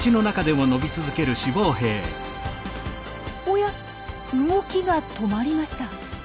おや動きが止まりました。